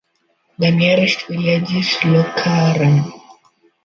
The nearest village is Lochcarron.